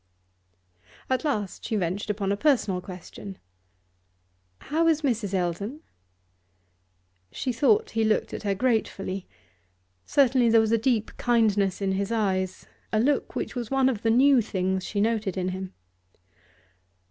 At last she ventured upon a personal question. 'How is Mrs. Eldon?' She thought he looked at her gratefully; certainly there was a deep kindness in his eyes, a look which was one of the new things she noted in him.